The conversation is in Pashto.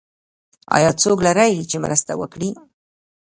ایا څوک لرئ چې مرسته وکړي؟